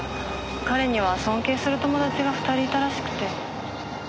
彼には尊敬する友達が２人いたらしくて。